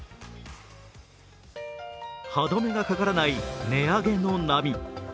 歯止めがかからない値上げの波。